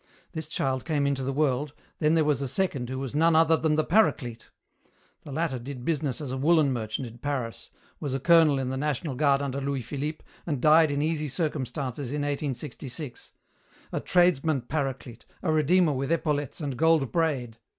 This child came into the world, then there was a second who was none other than the Paraclete. The latter did business as a woolen merchant in Paris, was a colonel in the National Guard under Louis Philippe, and died in easy circumstances in 1866. A tradesman Paraclete, a Redeemer with epaulettes and gold braid!